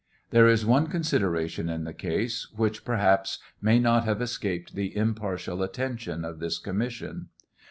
There is one consideration in the case which perhaps may not have escapee the impartial attention of this commission.